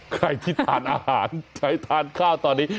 ใครที่ทานอาหารใช้ทานข้าวตอนนี้